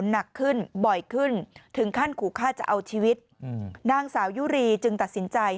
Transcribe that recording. หนักขึ้นบ่อยขึ้นถึงขั้นขู่ฆ่าจะเอาชีวิตนางสาวยุรีจึงตัดสินใจ